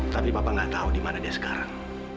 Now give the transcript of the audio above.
tapi papa nggak tahu dimana dia sekarang